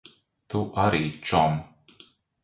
Tu arī, čom.